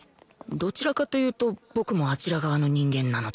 どちらかというと僕もあちら側の人間なのだが